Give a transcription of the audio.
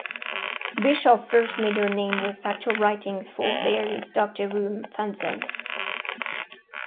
Bishop first made her name with factual writing for various "Doctor Who" fanzines.